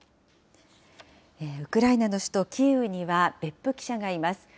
ウクライナの首都キーウには、別府記者がいます。